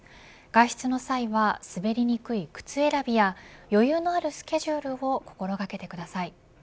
外出の際は滑りにくい靴選びや余裕のあるスケジュールを心掛けてください。